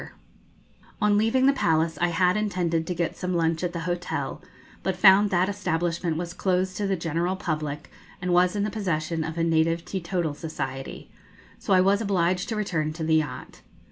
[Illustration: The Pali Oahu] On leaving the palace I had intended to get some lunch at the hotel, but found that establishment was closed to the general public, and was in the possession of a native teetotal society; so I was obliged to return to the yacht.